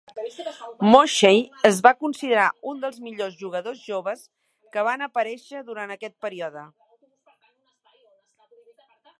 Moxey es va considerar un dels millors jugadors joves que van aparèixer durant aquest període.